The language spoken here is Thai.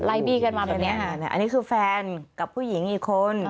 บี้กันมาแบบนี้อันนี้คือแฟนกับผู้หญิงอีกคน